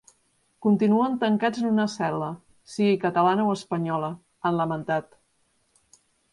Continuen tancats en una cel·la, sigui catalana o espanyola, han lamentat.